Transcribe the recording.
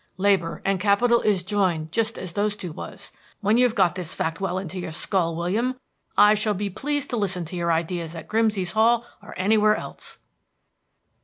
Labor and capital is jined just as those two was. When you've got this fact well into your skull, William, I shall be pleased to listen to your ideas at Grimsey's Hall or anywhere else."